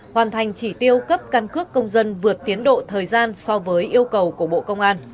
hoàn thành chỉ tiêu cấp căn cước công dân vượt tiến độ thời gian so với yêu cầu của bộ công an